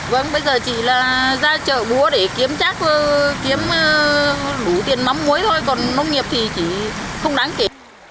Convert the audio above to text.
vâng bây giờ chỉ là ra chợ búa để kiếm trác kiếm đủ tiền mắm muối thôi còn nông nghiệp thì chỉ không đáng kể